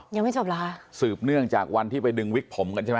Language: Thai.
ยังไม่จบเหรอคะสืบเนื่องจากวันที่ไปดึงวิกผมกันใช่ไหม